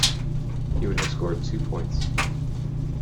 He would have scored two points.